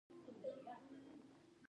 یادونه ګټور دي.